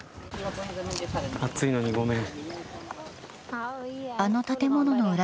暑いのにごめん。